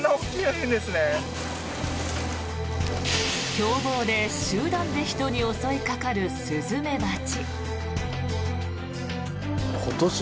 凶暴で集団で人に襲いかかるスズメバチ。